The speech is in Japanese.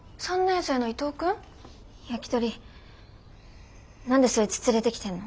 ヤキトリ何でそいつ連れてきてんの？